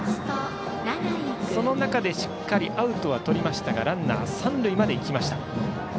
その中でしっかりアウトはとりましたがランナー三塁まで行きました。